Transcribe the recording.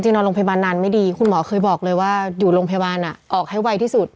นอนโรงพยาบาลนานไม่ดีคุณหมอเคยบอกเลยว่าอยู่โรงพยาบาลออกให้ไวที่สุด